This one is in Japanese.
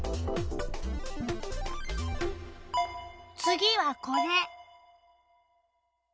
次はこれ。